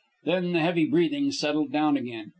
Then the heavy breathing settled down again.